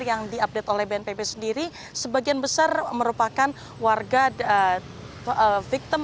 yang diupdate oleh bnpb sendiri sebagian besar merupakan warga victom